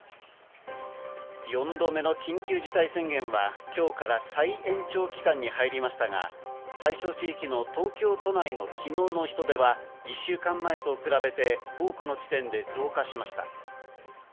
４度目の緊急事態宣言は今日から再延長期間に入りましたが、対象地域の東京都内の昨日の人出は１週間前と比べて多くの地点で増加しました。